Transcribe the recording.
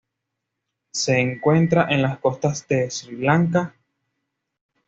Se encuentra en las costas de Sri Lanka.